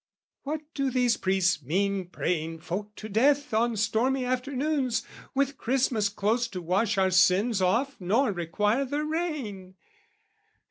"What do these priests mean, praying folk to death "On stormy afternoons, with Christmas close "To wash our sins off nor require the rain?"